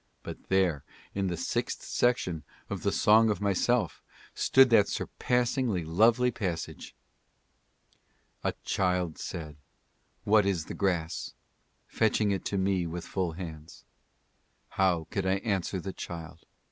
But there, in the' sixth section of the Song of Myself, stood that surpassingly lovely passage : "A child said, What is the grass ? fetching it to me with full hands; How could I answer the child